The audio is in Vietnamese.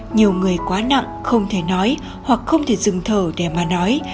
nhiều người quá nặng không thể nói hoặc không thể dừng thở để mà nói